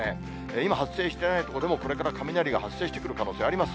今発生してない所でもこれから雷が発生してくる可能性あります。